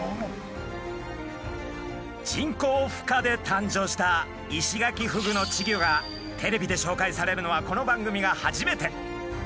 人工ふ化で誕生したイシガキフグの稚魚がテレビで紹介されるのはこの番組が初めて。